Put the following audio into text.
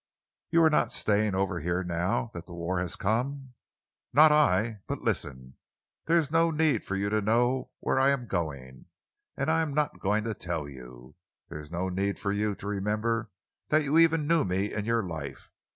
"You are not staying over here now that the war has come?" "Not I! But listen. There is no need for you to know where I am going, and I am not going to tell you. There is no need for you to remember that you ever knew me in your life.